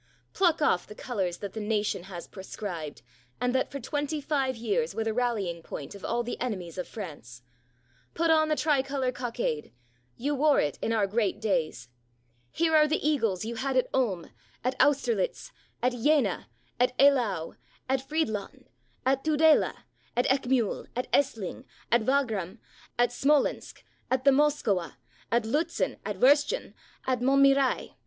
Pluck off the colors that the nation has proscribed, and that, for twenty five years, were the rallying point of all the enemies of France. Put on the tricolor cockade; you wore it in our great days. Here are the eagles you had at Ulm, at Austerlitz, at Jena, at Eylau, at Fried land, at Tudela, at Eckmiihl, at Essling, at Wagram, at Smolensk, at the Moskowa, at Liitzen, at Wurschen, at Montmirail